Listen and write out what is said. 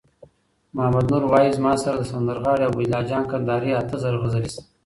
محمد نور وایی: زما سره د سندرغاړی عبیدالله جان کندهاری اته زره غزلي سته